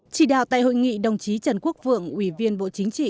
chỉ đạo tại hội nghị đồng chí trần quốc vượng ủy viên bộ chính trị